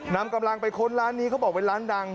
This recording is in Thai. นำกำลังไปค้นร้านนี้เขาบอกเป็นร้านดัง